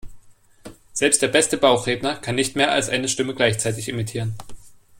Selbst der beste Bauchredner kann nicht mehr als eine Stimme gleichzeitig imitieren.